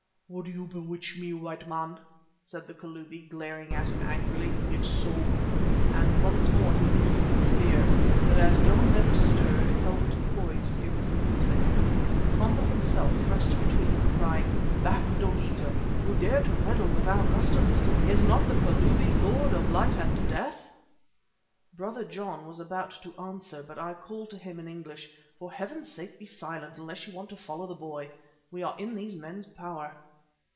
"Would you bewitch me, white man?" said the Kalubi, glaring at him angrily. "If so " and once more he lifted the spear, but as John never stirred, held it poised irresolutely. Komba thrust himself between them, crying: "Back, Dogeetah, who dare to meddle with our customs! Is not the Kalubi Lord of life and death?" Brother John was about to answer, but I called to him in English: "For Heaven's sake be silent, unless you want to follow the boy. We are in these men's power."